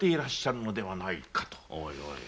おいおい。